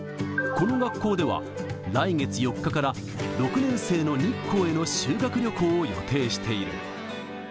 この学校では、来月４日から、６年生の日光への修学旅行を予定している。